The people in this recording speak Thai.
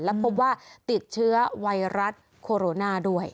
และพบว่าติดเชื้อไวรัสโคโรนาด้วย